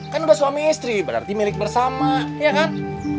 kan udah suami istri berarti milik bersama ya kan